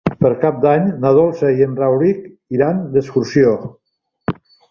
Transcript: Per Cap d'Any na Dolça i en Rauric iran d'excursió.